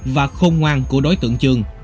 và khôn ngoan của đối tượng trường